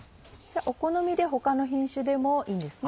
お好みで他の品種でもいいんですね？